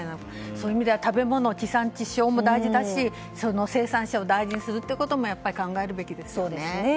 そういう意味では食べ物地産地消も大事だし生産者を大事にすることも考えるべきですね。